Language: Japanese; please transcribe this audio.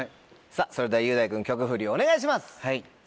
さぁそれでは雄大君曲フリお願いします！